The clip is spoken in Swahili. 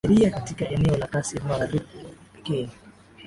heria katika eneo la kasem magharibi pekee